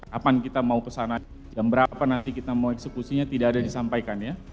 kapan kita mau kesana jam berapa nanti kita mau eksekusinya tidak ada disampaikan ya